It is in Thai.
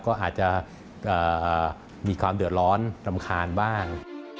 ก็อาจจะมีความเดือดร้อนรำคาญบ้าง